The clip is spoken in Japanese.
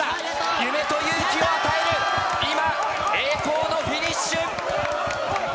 夢と勇気を与える、今、栄光のフィニッシュ。